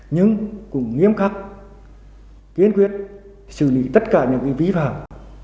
nhưng cũng nghiêm khắc kiến quyết xử lý tất cả những cái ví phạm